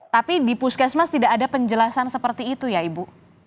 tapi di puskesmas tidak ada penjelasan seperti itu ya ibu